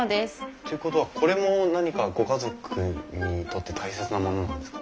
っていうことはこれも何かご家族にとって大切なものなんですか？